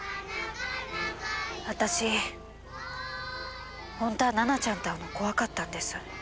私ほんとは奈々ちゃんと会うの怖かったんです。